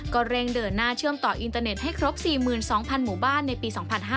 ก็เร่งเดินหน้าเชื่อมต่ออินเตอร์เน็ตให้ครบ๔๒๐๐หมู่บ้านในปี๒๕๕๙